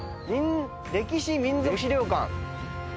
歴史民俗資料館。